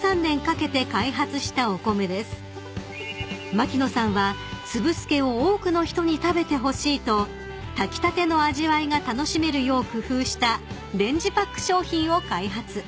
［牧野さんは粒すけを多くの人に食べてほしいと炊きたての味わいが楽しめるよう工夫したレンジパック商品を開発］